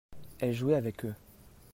elle jouait avec eux.